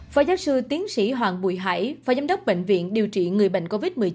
phó giáo sư tiến sĩ hoàng bùi hải phó giám đốc bệnh viện điều trị người bệnh covid một mươi chín